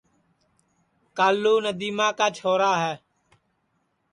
کالو ندیما کا چھورا ہے